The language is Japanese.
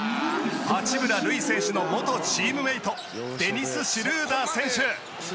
八村塁選手の元チームメートデニス・シュルーダー選手。